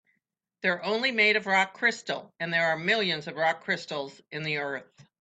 They're only made of rock crystal, and there are millions of rock crystals in the earth.